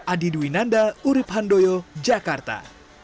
adi dwi nanda urib handoyo jakarta